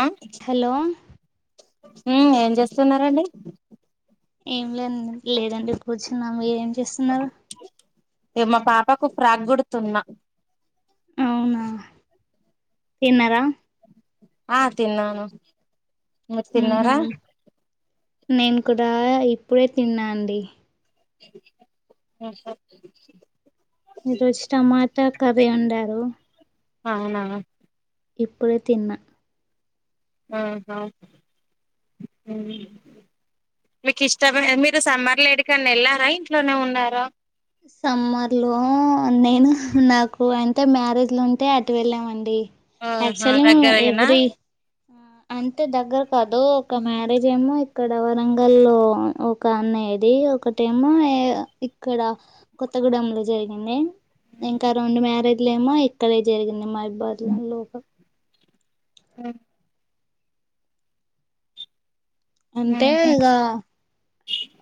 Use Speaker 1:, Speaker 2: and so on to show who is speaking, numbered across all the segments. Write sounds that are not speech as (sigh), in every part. Speaker 1: ఆ
Speaker 2: హలో
Speaker 1: ఏం చేస్తున్నాం రండి
Speaker 2: ఏం లేండి లేదండి కూర్చున్నాము ఏం చేస్తున్నారు
Speaker 1: నేనై మా పాపకు ఫ్రాక్ గుడుతున్నా
Speaker 2: అవునా తిన్నారా
Speaker 1: ఆ తిన్నాను మీరు
Speaker 2: మ్
Speaker 1: తిన్నారా
Speaker 2: హుమ్మ్ నేను కూడా ఇప్పుడే తిన్నా అండి
Speaker 1: అఓ స
Speaker 2: మీ రోజు టమాటా కర్రీ వండారు
Speaker 1: అవునా
Speaker 2: ఇప్పుడే తిన్నా
Speaker 1: ఆహా మీకిష్టం మే మీరు సమ్మర్లొ ఎడికన్నా వెళ్ళారా ఇంట్లోనే ఉన్నారా
Speaker 2: సమ్మర్ లో నేను నాకు అంటే మ్యారేజ్లో ఉంటే అటు వెళ్ళామండి
Speaker 1: ఆహా
Speaker 2: యాక్చువల్లీ
Speaker 1: దగ్గరేనా
Speaker 2: ఎవ్రీ ఆ అంతే దగ్గర కాదు ఒక మ్యారేజ్ ఏమో ఇక్కడ వరంగల్ లో కాని ఇది ఒకటేమో ఇక్కడ కొత్తగూడెం లో జరిగింది ఇంకా రెండు మ్యారేజ్ లేమో ఇక్కడే జరిగింది మా బాజి గాణ్ణి లేపు
Speaker 1: ఉ
Speaker 2: అంతే
Speaker 1: ఉహు
Speaker 2: ఇగా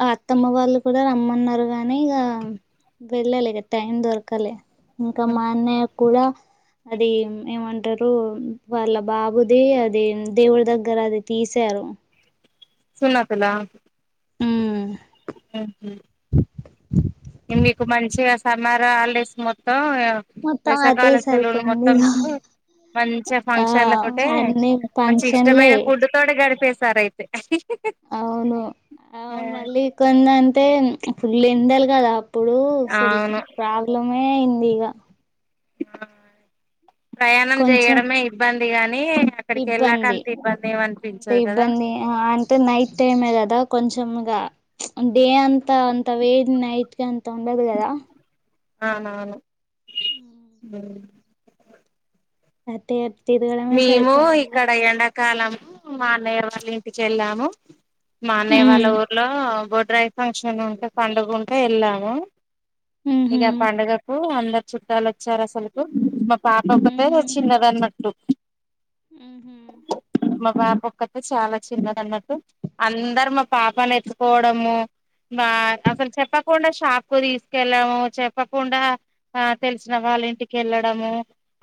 Speaker 2: ఆ అత్తమ్మ వాళ్ళు కూడా రమ్మన్నారు కగానీ ఇగ వెళ్ళలె టైం దొరకాలె ఇంకా మా అన్నయ్య కూడా అది ఏమంటారు వాళ్ళ బాబుది అది దేవుడి దగ్గర అది తీసారు
Speaker 1: సున్నాతలా
Speaker 2: ఉమ్
Speaker 1: మ్ హు మ్ మీకు మంచిగా సమ్మర్ హాలిడేస్ మొత్తం
Speaker 2: మొత్తం అదే
Speaker 1: వెసకాల సెలవులు
Speaker 2: సరిపోయింది
Speaker 1: మొత్తం
Speaker 2: ఇక
Speaker 1: మికు మంచి
Speaker 2: ఆ
Speaker 1: ఫంక్షన్లతోే
Speaker 2: అన్ని
Speaker 1: మంచి ఇష్టమైన
Speaker 2: ఫంక్షన్లే
Speaker 1: ఫుడ్ తోటి గడిపేశారు అయితే
Speaker 2: అవును ఆ మళ్ళీ కొంద అంటే ఫుల్ ఎండలు కదా ఇప్పుడు అసల్
Speaker 1: అవును
Speaker 2: ప్రాబ్లమే అయింది ఇక
Speaker 1: ప్రయాణం
Speaker 2: కొంచెం
Speaker 1: చేయడమే ఇబ్బంది గాని అక్కడికి వెళ్ళాక
Speaker 2: ఇబ్బంది
Speaker 1: అంత ఇబ్బంది
Speaker 2: అంటే
Speaker 1: ఏమనిపించదు కదా
Speaker 2: ఇబ్బంది ఆ అంటే నైట్ టైమే కదా కొంచెం గ డే అంతా అంత వే నైట్ కి అంత ఉండదు కదా
Speaker 1: అవునవును
Speaker 2: అటే తిరగడమే
Speaker 1: మేము
Speaker 2: సరిపోయింది ఇగ
Speaker 1: ఇక్కడ ఎండాకాలము మా అన్నయ్య వాళ్ళ ఇంటికి వెళ్ళాము మా అన్నయ్య వాళ్ళ ఊర్లో బొడ్రాయి ఫంక్షన్ ఉంటే పండుగ ఉంటే వెళ్ళాము
Speaker 2: ఉహు
Speaker 1: ఇక పండుగకు అందరు చుట్టాలు వచ్చారు అసలుకు పాప
Speaker 2: ఉహు
Speaker 1: ఒక్కతే చిన్నదన్నట్టు
Speaker 2: హుహు
Speaker 1: మా పాప ఒక్కతే చాలా చిన్నది అన్నట్టు అందరు మా పాపను ఎత్తుకోవడము ఆ అసలు చెప్పకుండా షాపూ కు తీసుకెళ్లడం చెప్పకుండా ఆ తెలిసిన వాళ్ళ ఇంటికి వెళ్ళడము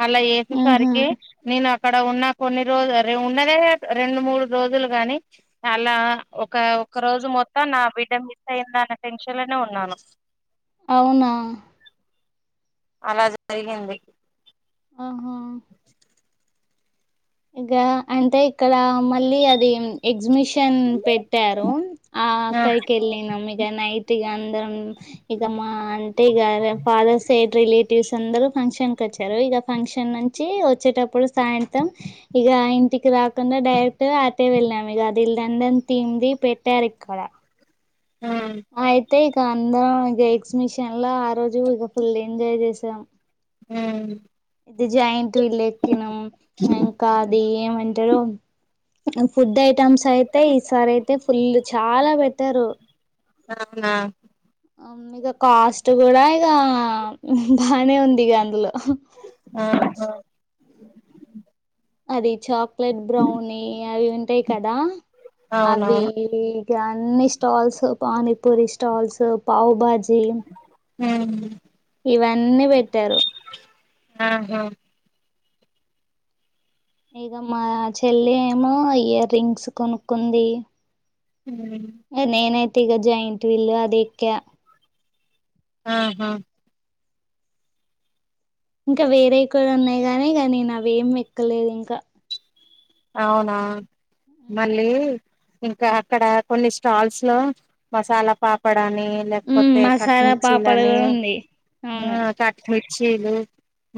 Speaker 1: అలా
Speaker 2: ఉహు
Speaker 1: చేసిసరికి నేను అక్కడ ఉన్న కొన్ని రోజులు ఉన్ననే రెండు మూడు రోజులు గాని అలా ఒక ఒక రోజు మొత్తం నా బిడ్డ మిస్ అయిందాన్న టెన్షన్ లోనే ఉన్నాను
Speaker 2: అవునా
Speaker 1: అలా జరిగింది
Speaker 2: ఆహు
Speaker 1: (inaudible)
Speaker 2: ఇక అంటే ఇక్కడ మళ్ళీ అది ఎగ్జిమిషన్ పెట్టారు ఆ కేళ్ళినాం ఇక నైట్గా అందరం ఇక మా అంటే ఇగ ఫాదర్ సైడ్ రిలేటివ్స్ అందరు ఫంక్షన్ కి వచ్చారు ఫంక్షన్ నుంచి వచ్చేటప్పుడు సాయంత్రం ఇక ఇంటికి రాకుండా డైరెక్ట్ అటే వెళ్ళం ఇక అది ఇల్దండి అని తింది పెట్టారు ఇక్కడ
Speaker 1: హ
Speaker 2: అయితే ఇక అందరం ఎగ్జి మిషన్ లో ఆ రోజు ఇక ఫుల్ ఎంజాయ్ చేసాం
Speaker 1: హ్మ్
Speaker 2: ఇది జాయింట్ విల్లెక్కినం ఇంకా అది ఏమంటారు ఫుడ్ ఐటమ్స్ అయితే ఈ సారి అయితే ఫుల్ చాలా పెట్టారు
Speaker 1: అవునా
Speaker 2: అవును ఇక కాస్ట్ కూడా ఇక బానే ఉంది ఇక అందులో
Speaker 1: ఆహా
Speaker 2: అది చాక్లెట్ బ్రౌనీ అవి ఉంటాయి కదా అవి
Speaker 1: అవునవును
Speaker 2: ఇక అన్ని స్టాల్స్ పానీపూరి స్టాల్స్ పావు బాజీ
Speaker 1: హ
Speaker 2: ఇవన్నీ పెట్టారు
Speaker 1: ఆహా
Speaker 2: ఇక మా చెల్లి ఏమో ఇయర్ రింగ్స్ కొనుక్కుంది
Speaker 1: హ
Speaker 2: నేనైతే ఇక జాయింట్ విల్ అది ఎక్క
Speaker 1: ఆహా
Speaker 2: ఇంకా వేరేవి కూడా ఉన్నాయి కాగానీ ఇగ నేను అవ్వేం ఎక్కలేదు ఇంకా
Speaker 1: అవునా మళ్ళీ ఇంకా అక్కడ కొన్ని స్టాల్స్ లో మసాలా పాపడ అని
Speaker 2: హ్మ్
Speaker 1: లేకపోతే
Speaker 2: మసాలా పాపడ్
Speaker 1: కట్మిర్చీలని
Speaker 2: కూడా ఉంది అవును
Speaker 1: కట్మిర్చీలు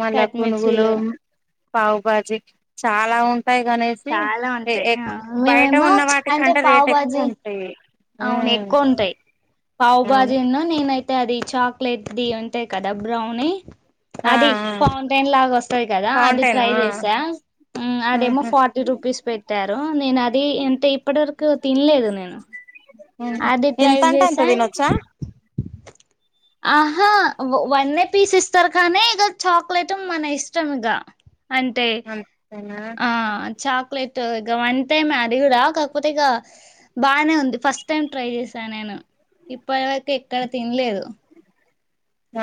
Speaker 1: మళ్ళా పునుగులు
Speaker 2: కట్మిర్చీలు
Speaker 1: పావు బాజి చాలా ఉన్ పైకి అనేసి
Speaker 2: చాలా ఉంటాయి ఆ
Speaker 1: బయట
Speaker 2: మేమేమో
Speaker 1: ఉన్న
Speaker 2: అంటే
Speaker 1: వాటికంటే
Speaker 2: పావు
Speaker 1: రేట్
Speaker 2: బాజీ
Speaker 1: ఎక్కువ ఉంటాయి
Speaker 2: అవును
Speaker 1: ఉమ్
Speaker 2: ఎక్కువ ఉంటాయి పావు
Speaker 1: అవును
Speaker 2: బాజి ఉను నేనైతే అది చాక్లెట్ది ఉంటాయి కదా బ్రౌని
Speaker 1: ఆ
Speaker 2: అది
Speaker 1: ఆ
Speaker 2: ఫౌంటైన్ లాగా వస్తది కదా అది
Speaker 1: ఫౌంటైన్
Speaker 2: ట్రై
Speaker 1: ఆ
Speaker 2: చేసా అదేమో
Speaker 1: ఆహా
Speaker 2: ఫార్టీ రూపీస్ పెట్టారు నేను అది అంటే ఇప్పటి వరకు తినలేదు నేను
Speaker 1: ఉ
Speaker 2: అది ట్రై
Speaker 1: ఎంత అంటే అంత
Speaker 2: చేసా
Speaker 1: తినొచ్చా
Speaker 2: ఆహా వనే పీస్ ఇస్తారు కానీ ఇక చాక్లెట్ మన ఇష్టం ఇక అంటే
Speaker 1: అంతేనా
Speaker 2: ఆ చాక్లెట్ ఇక వన్ టైమే అది కూడా కాకపోతే ఇక బానే ఉంది ఫస్ట్ టైం ట్రై చేశాను నేను ఇప్పటి వరకు ఎక్కడ తినలేదు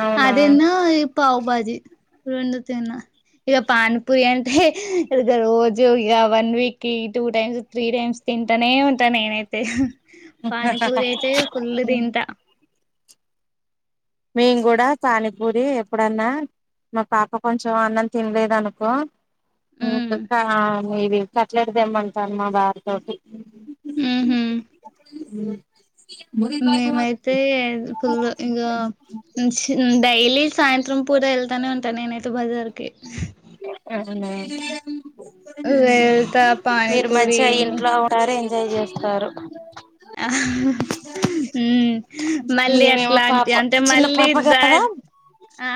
Speaker 1: అవునా
Speaker 2: అదిన్ను ఈ పవ్భాజీ రెండు తిన్న ఇక పాన్ పూరి అంటే ఇక రోజు ఇక one week two times three times తింటానే ఉంటా నేనైతే పానీపూరి అయితే ఫుల్
Speaker 1: హ్మ్.
Speaker 2: తింటా
Speaker 1: మేం కూడా పానీపూరి ఎప్పుడన్నా మా పాప కొంచెం అన్నం తినలేదు అనుకో
Speaker 2: ఉమ్
Speaker 1: కా ఇది కట్లెట్ తేమ్మంటాను మా వారి తోటి
Speaker 2: ఉహు
Speaker 1: ఉహు
Speaker 2: మేమైతే ఫుల్ ఇంకా డైలీ సాయంత్రం పూట వెళ్తానే ఉంటాను నేనైతే బజార్కి
Speaker 1: అవునా ఉ
Speaker 2: వెళ్తా
Speaker 1: మీరు
Speaker 2: పానీపూరి
Speaker 1: మంచిగా
Speaker 2: మీ
Speaker 1: ఇంట్లో ఉ ఉంటారు ఎంజాయ్ చేస్తారు
Speaker 2: ఉమ్ మళ్ళీ
Speaker 1: మేమేమో
Speaker 2: అట్లాంటి
Speaker 1: పాప
Speaker 2: అంటే
Speaker 1: చిన్న
Speaker 2: మళ్ళీ
Speaker 1: పాప
Speaker 2: దా
Speaker 1: కదా
Speaker 2: ఆ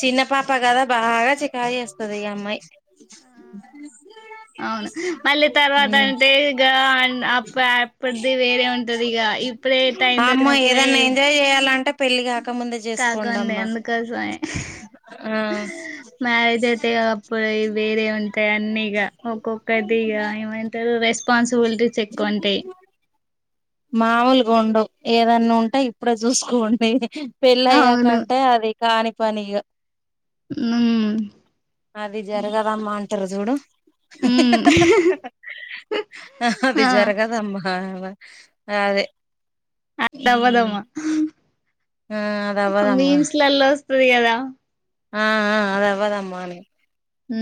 Speaker 1: చిన్న పాప కదా బాగా చికాకు చేస్తుంది ఈ అమ్మాయి
Speaker 2: ఎ అవును మళ్ళీ తర్వాత అంటే ఇ అ అప్పటిది వేరే ఉంటది ఇక ఇప్పు
Speaker 1: అ అమ్మ ఏదన్నా ఎంజాయ్ చేయాలంటే పెళ్లి కా
Speaker 2: కాకండి అందుకోసమే
Speaker 1: ఆ
Speaker 2: మ్యారేజ్ అయితే అప్పు వేరే ఉంటయి అన్నిగా ఒక్కొక్కది ఏమంటారు రెస్పాన్సిబిలిటీస్ ఎక్కువ ఉంటాయి
Speaker 1: మామూలుగ ఉండవు ఏదన్నా ఉంటే ఇప్పుడే చూసుకోండి పెళ్ళ
Speaker 2: అవును
Speaker 1: అయ్యాకంటే అది కాని పని ఇగా
Speaker 2: ఉమ్
Speaker 1: అది జరగదమ్మా అంటారు చూడు
Speaker 2: మ్మ్
Speaker 1: అది
Speaker 2: ఆ
Speaker 1: జరగదమ్మా అదే
Speaker 2: అదివాదమ్మా
Speaker 1: ఆ అది అవ్వదమ్మా
Speaker 2: మీన్స్లల్లా వస్తుంది కదా
Speaker 1: ఆ అదవ్వదామ్మా అని
Speaker 2: ఉ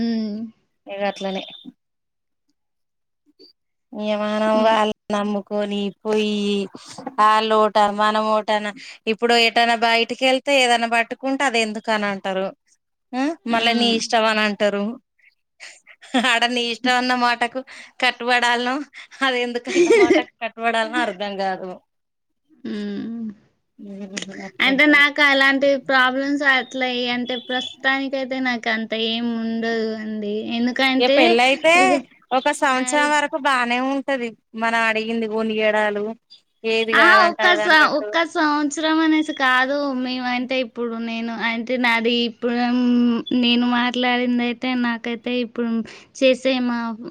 Speaker 1: ఇగ అట్లనే మనం వాళ్ళ నమ్ముకొని పోయి వాళ్ళోట మనమోట ఇప్పుడు ఎటైనా బయటికి వెళ్తే ఏదైనా పట్టుకుంటే అది ఎందుకు అని అంటారు ఆ మళ్ళా నీ
Speaker 2: ఉమ్
Speaker 1: ఇష్టం అని అంటారు ఆడ నీ ఇష్టం అన్న మాటకు కట్టుబడాలనో అదేందుకంతమాట కట్టుబడాలనో అర్థం కాదు
Speaker 2: ఉమ్
Speaker 1: ఉమ్
Speaker 2: అంటే
Speaker 1: అట్లుంటది
Speaker 2: నాకలాంటి ప్రాబ్లమ్స్ అట్లా అంటే ప్రస్తుతానికయితే నాకంత ఏం ఉండదు అండి ఎందుకన్
Speaker 1: ఇగ పెళ్ళయితే ఒక సంవత్సరం
Speaker 2: మ్యారేజ్
Speaker 1: వరక్ కు బానే ఉంటది మనమడిగింది కొనియ్యడాలు ఏది
Speaker 2: ఆహా
Speaker 1: కాలంటే
Speaker 2: ఒక్క స
Speaker 1: అదన్నట్టు
Speaker 2: ఒక్క సంవత్సరం అనేసి కాదు మేమంటే ఇప్పుడు నేను అంటే నాది ఇప్పుడు మ్మ్ నేను మాట్లాడిందయితే నాకైతే ఇప్పుడు చేసేమ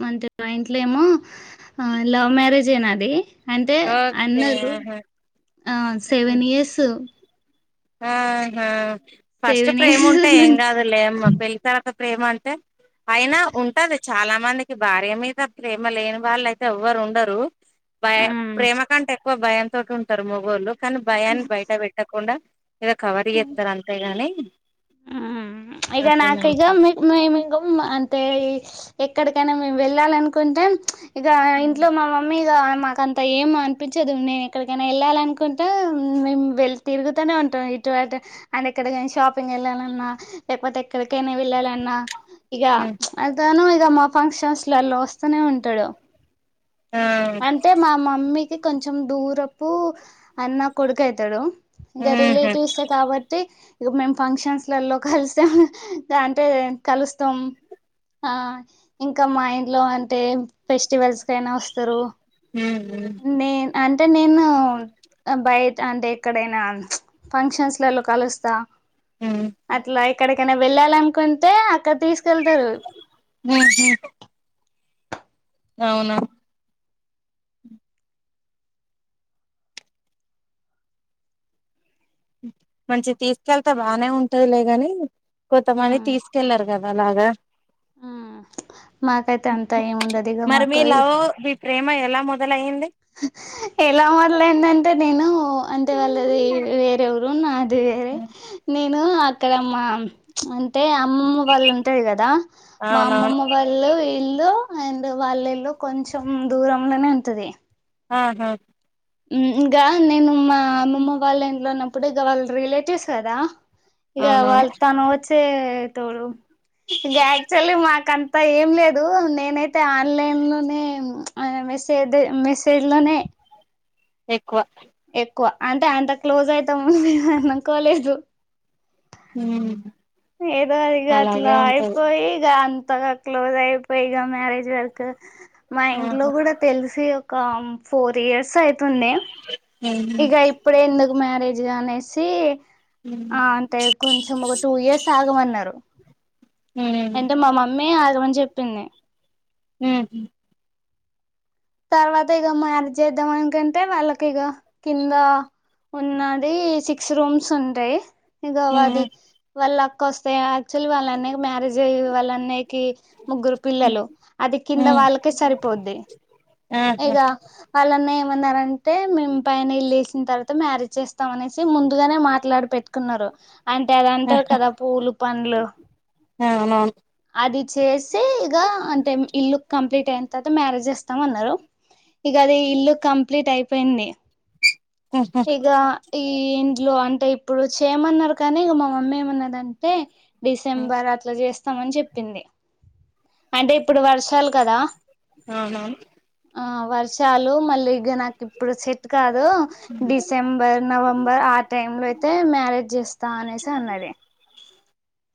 Speaker 2: అంటే మా ఇంట్లో ఏమో లవ్ మ్యారేజే నాది అంటే
Speaker 1: ఏ
Speaker 2: అన్నారు
Speaker 1: హా
Speaker 2: ఆ సెవెన్ ఇయర్సు
Speaker 1: ఆ హా ఫస్ట్
Speaker 2: సెవెన్
Speaker 1: ప్రేముంటే
Speaker 2: ఇయర్స్
Speaker 1: ఏం
Speaker 2: నుంచి
Speaker 1: కాదు లేమ్మ పెళ్లి తర్వాత ప్రేమ అంటే అయినా ఉంటది చాలా మందికి భార్య మీద ప్రేమ లేని వాళ్ళయితే ఎవ్వరుండరు భయ ప్రేమ కంటే ఎక్కువ భయంతోటి ఉంటరు మగోళ్ళు కానీ భయాన్ని బయట పెట్టకుండా ఏదో కవర్ చేస్తారంతేగాని
Speaker 2: మ్మ్ ఇగ నాకిగ మేమిగా అంటే ఎక్కడికైనా మేము వెళ్ళాలనుకుంటే ఇగా ఇంట్లో మా మమ్మీ ఇగా మాకం అంత ఏమనిపించదు నేనెక్కడికైనా వెళ్ళాలనుకుంటే మేము వెళ తిరుగుతూనే ఉంటాం ఇటు అటు అండ్ ఎక్కడికైనా షాపింగ్ వెళ్ళాలన్నా లేకపోతే ఎక్కడికైనా వెళ్ళాలన్నా ఇగ అ తను ఇక మా ఫంక్షన్స్ లలో వస్తనే ఉంటడు
Speaker 1: ఆ
Speaker 2: అంటే మా మమ్మీకి కొంచెం దూరపు అన్న కొడుకయితాడు ఇంక
Speaker 1: ఉహు
Speaker 2: రిలేటివ్స్ ఏ కాబట్టి ఇక మేం ఫంక్షన్స్ల లలో కలిసాం అంటే కలుస్తాం ఆ ఇంకా మా ఇంట్లో అంటే ఫెస్టివల్స్ కయినా వస్తరు
Speaker 1: ఉ ఉ
Speaker 2: నే అంటే నేను బయట అంటే ఎక్కడైనా ఫంక్షన్స్లలల్లో కలుస్తా
Speaker 1: మ్మ్
Speaker 2: అట్లా ఎక్కడికైనా వెళ్ళాలనుకుంటే అక్కడ తీసుకెళ్తారు
Speaker 1: ఉహు అవునా మంచిగ తీసుకెళ్తే బానే ఉంటదిలే కాని కొత్తమంది తీసుకెళ్లరు కదలాగా
Speaker 2: హ్మ్మ్ మాకైతే అంతా ఏముండదు ఇగ
Speaker 1: మరి మీ
Speaker 2: మాకు
Speaker 1: లవ్ మీ ప్రేమ ఎలా మొదలయ్యింది
Speaker 2: హ ఎలా మొదలైందంటే నేను అంటే వాళ్ళది వేరె ఊరు నాది వేరే నేను అక్కడ మా అంటే అమ్మమ్మ వాళ్ళుంటారు కదా మా
Speaker 1: అవునవును
Speaker 2: అమ్మమ్మ వాళ్ళు ఇల్లు అండ్ వాళ్ళ ఇల్లు కొంచెం దూరంలోనే ఉంటది
Speaker 1: ఆహా
Speaker 2: మ్మ్మ్మ్ ఇంగ నేను మా అమ్మమ్మ వాళ్ళ ఇంట్లో ఉన్నప్పుడు ఇక వాళ్ళ రిలేటివ్స్ కదా ఇగ
Speaker 1: అవునవును
Speaker 2: వాళ్ళ తను వచ్చే టోడు ఇంక యాక్చువల్లీ మాకం అంత ఏం లేదు నేనైతే ఆన్ లైన్ లోనే మెసేజ్ మెసేజ్ లోనే
Speaker 1: ఎక్కువ
Speaker 2: ఎక్కువ అంటే అంత క్లోజ్ అయితాము మీము అనుకోలేదు
Speaker 1: ఉనా
Speaker 2: ఏదో ఇగ అట్లా అయిపోయి ఇగ అంతగా క్లోజ్ అయిపోయి ఇక మ్యారేజ్ వరకు మా ఇంట్లో
Speaker 1: ఆహా
Speaker 2: కూడా తెలిసి ఒక ఫోర్ ఇయర్స్ అయితుంది
Speaker 1: ఉహు
Speaker 2: ఇగ ఇప్పుడే ఎందుకు మ్యారేజు అనేసి
Speaker 1: ఉహు
Speaker 2: ఆ అంటే కొంచెం ఒక టూ ఇయర్స్ ఆగమన్నారు
Speaker 1: ఉహు
Speaker 2: అంటే మా మమ్మీ మె ఆగమని చెప్పింది
Speaker 1: ఆహ
Speaker 2: తర్వాత ఇగ మ్యారేజ్ చేద్దాం అనుకంటే వాళ్ళకి ఇగ కింద ఉన్నది సిక్స్ రూమ్స్ ఉంటాయి ఇగ అది వాళ్ళక్క వస్తే అసలు వాళ్ళ అన్నయ్యకి మ్యారేజ్ అయ్యి వాళ్ళ అన్నయ్యాకి ముగ్గురు పిల్లలు అది కింద
Speaker 1: ఉమ్
Speaker 2: వాళ్ళకే సరిపోద్ది
Speaker 1: ఆహా
Speaker 2: ఇగ వాళ్ళ అన్నయ్య ఏమన్నారంటే మేము పైన ఇల్లు వేసిన తర్వాత మ్యారేజ్ చేస్తాం అనేసి ముందుగానే మాట్లాడి పెట్టుకు కున్నారు అంటే అది
Speaker 1: ఆ
Speaker 2: అంటారు కదా పూలు పండ్లు
Speaker 1: అవునవును
Speaker 2: అది చేసి ఇగ అంటే ఇల్లు కంప్లీట్ అయిన తర్వాత మ్యారేజ్ చేస్తామన్నారు ఇక అది ఇల్లు కంప్లీట్ అయిపోయింది
Speaker 1: ఉహు
Speaker 2: ఇగ ఈ ఇంట్లో అంటే ఇప్పుడు చేయమన్నారు కానీ మా మమ్మీ ఏమన్నదంటే డిసెంబర్ అట్లా చేస్తామని చెప్పింది అంటే ఇప్పుడు వర్షాలు కదా
Speaker 1: అవునవును
Speaker 2: ఆ వర్షాలు మళ్ళీ ఇగ నాకు ఇప్పుడు సెట్ కాదు డిసెంబర్ నవంబర్ ఆ టైమ్ లో అయితే మ్యారేజ్ చేస్తా అనేసి అన్నాది